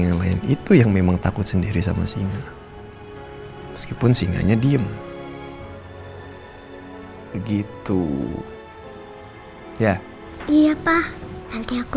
yang lain itu yang memang takut sendiri sama singa meskipun singanya diem begitu ya iya tah hati aku